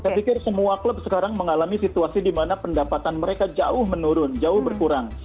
saya pikir semua klub sekarang mengalami situasi di mana pendapatan mereka jauh menurun jauh berkurang